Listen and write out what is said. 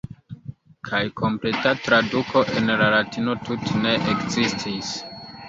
Kaj kompleta traduko en la Latina tute ne ekzistis.